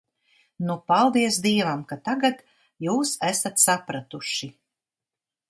Nu, paldies Dievam, ka tagad jūs esat sapratuši.